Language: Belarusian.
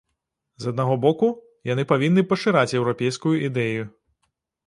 З аднаго боку, яны павінны пашыраць еўрапейскую ідэю.